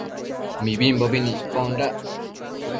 Mibimbobi nicpondac